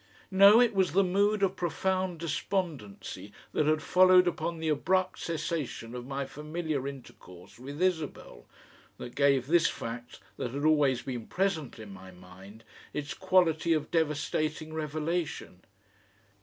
No, it was the mood of profound despondency that had followed upon the abrupt cessation of my familiar intercourse with Isabel, that gave this fact that had always been present in my mind its quality of devastating revelation.